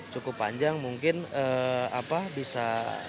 cukup panjang mungkin bisa